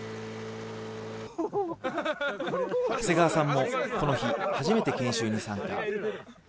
長谷川さんもこの日、初めて研修に参加。